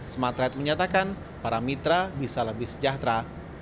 smartret menyatakan para mitra bisa lebih sejahtera